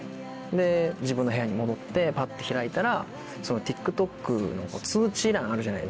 で自分の部屋に戻ってパッと開いたらＴｉｋＴｏｋの通知欄あるじゃないですか。